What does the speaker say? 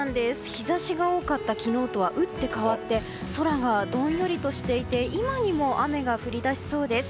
日差しが多かった昨日とは打って変わって空がどんよりとしていて今にも雨が降り出しそうです。